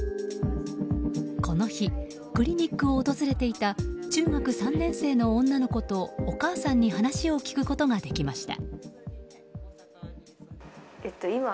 この日、クリニックを訪れていた中学３年生の女の子とお母さんに話を聞くことができました。